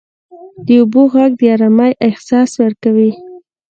• د اوبو ږغ د آرامۍ احساس ورکوي.